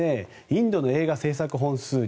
インドの映画製作本数